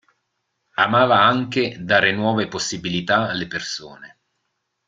Amava anche dare nuove possibilità alle persone.